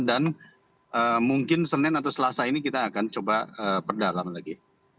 dan mungkin senin atau selasa ini kita akan coba perdalam lagi